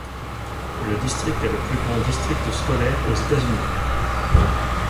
Le district est le plus grand district scolaire aux États-Unis.